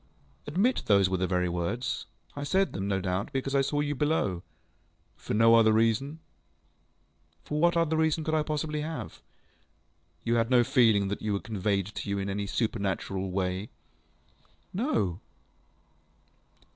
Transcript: ŌĆØ ŌĆ£Admit those were the very words. I said them, no doubt, because I saw you below. ŌĆØ ŌĆ£For no other reason? ŌĆØ ŌĆ£What other reason could I possibly have? ŌĆØ ŌĆ£You had no feeling that they were conveyed to you in any supernatural way? ŌĆØ ŌĆ£No.